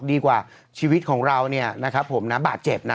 ดีกว่าชีวิตของเราเนี่ยนะครับผมนะบาดเจ็บนะ